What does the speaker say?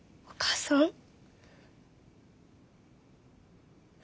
お母さん！